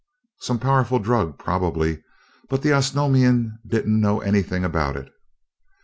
"Some powerful drug, probably, but the Osnomian didn't know anything about it.